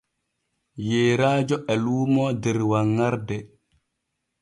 Yeeraajo e luumoo der wanŋarde.